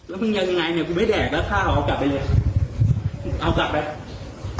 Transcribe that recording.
แล้วมึงยังไงเนี่ยกูไม่แดกแล้วข้าวเอากลับไปเลยเอากลับไป